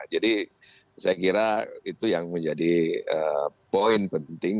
saya kira itu yang menjadi poin penting